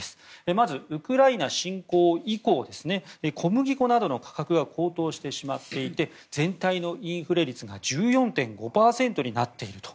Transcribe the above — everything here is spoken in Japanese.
まず、ウクライナ侵攻以降小麦粉などの価格が高騰してしまっていて全体のインフレ率が１４．５％になっていると。